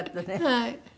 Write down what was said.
はい。